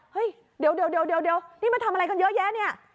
เฮ้ยเดี๋ยวนี่มันทำอะไรกันเยอะแยะเนี่ย